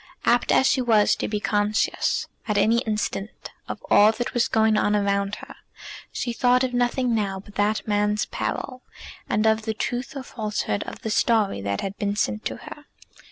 Apt as she was to be conscious at an instant of all that was going on around her, she thought of nothing now but that man's peril, and of the truth or falsehood of the story that had been sent to her.